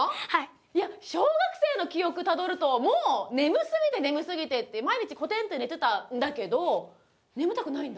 いや小学生の記憶たどるともう眠すぎて眠すぎて毎日コテンと寝てたんだけど眠たくないんだ。